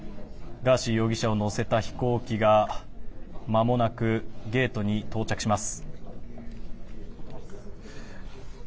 ガーシー容疑者を乗せた飛行機がまもなくゲートに到着します。